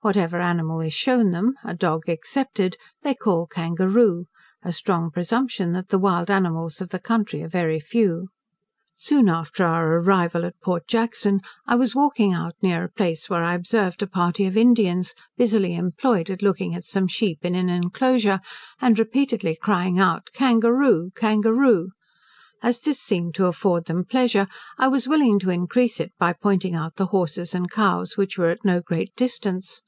Whatever animal is shewn them, a dog excepted, they call kangaroo: a strong presumption that the wild animals of the country are very few. Soon after our arrival at Port Jackson, I was walking out near a place where I observed a party of Indians, busily employed in looking at some sheep in an inclosure, and repeatedly crying out, 'kangaroo, kangaroo!' As this seemed to afford them pleasure, I was willing to increase it by pointing out the horses and cows, which were at no great distance.